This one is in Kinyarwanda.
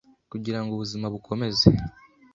kugira ngo ubuzima bukomeze,